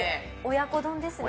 親子丼ですね。